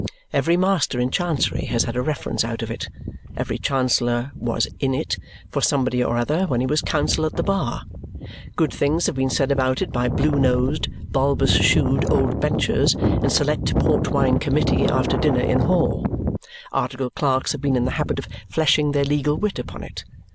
Every master in Chancery has had a reference out of it. Every Chancellor was "in it," for somebody or other, when he was counsel at the bar. Good things have been said about it by blue nosed, bulbous shoed old benchers in select port wine committee after dinner in hall. Articled clerks have been in the habit of fleshing their legal wit upon it.